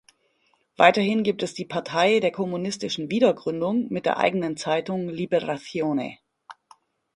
Weiterhin gibt es die Partei der kommunistischen Wiedergründung mit der eigenen Zeitung Liberazione.